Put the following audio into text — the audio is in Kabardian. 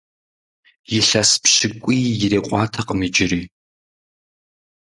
Илъэс пщыкӏуий ирикъуатэкъым иджыри.